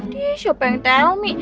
dia siapa yang tell me